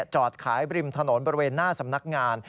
จอดขายบริมถนนบริเวณหน้าสำนักงาน